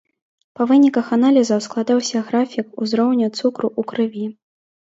Па выніках аналізаў складаўся графік узроўня цукру ў крыві.